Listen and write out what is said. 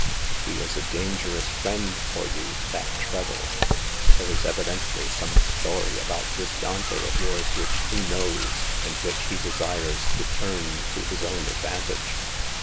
He is a dangerous friend for you, that Treadle. There is evidently some story about this Dante of yours which he knows, and which he desires to turn to his own advantage.